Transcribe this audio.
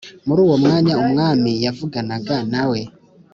Muri uwo mwanya umwami yavuganaga nawe